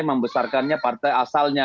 yang membesarkannya partai asalnya